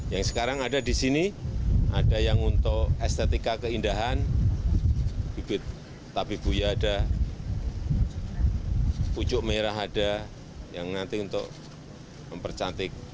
yang sekarang ada di sini ada yang untuk estetika keindahan bibit tapi buya ada pucuk merah ada yang nanti untuk mempercantik